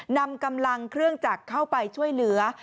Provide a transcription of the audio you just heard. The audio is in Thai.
นำกำลังเครื่องจักรเข้าไปช่วยเหลือ